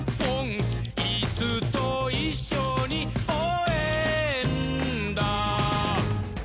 「イスといっしょにおうえんだ！」